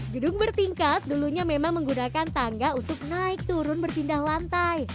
gedung bertingkat dulunya memang menggunakan tangga untuk naik turun berpindah lantai